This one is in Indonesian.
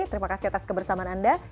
terima kasih atas kebersamaan anda